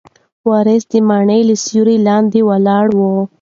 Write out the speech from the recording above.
وارث د مڼې له سیوري لاندې ولاړ و.